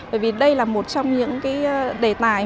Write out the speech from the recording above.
bởi vì đây là một trong những đề tài